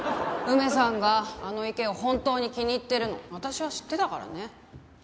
梅さんがあの池を本当に気に入ってるの私は知ってたからね。